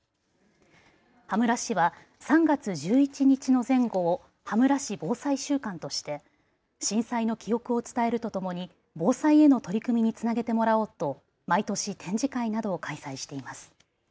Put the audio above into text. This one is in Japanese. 羽村市は３月１１日の前後を羽村市防災週間として震災の記憶を伝えるとともに防災への取り組みにつなげてもらおうと毎年展示会などを開催しています。